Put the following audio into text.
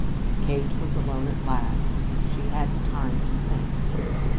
XVIII Kate was alone at last. She had time to think.